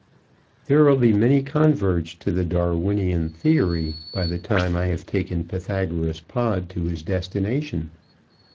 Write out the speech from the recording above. _ There will be many converts to the Darwinian Theory by the time I have taken Pythagoras Pod to his destination.